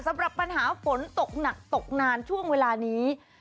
สำหรับปัญหาฝนตกหนักตกนานช่วงเวลานี้